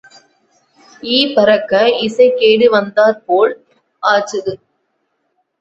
Ebb பறக்க இசை கேடு வந்தாற் போல் ஆச்சுது.